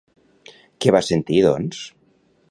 Què va sentir, doncs?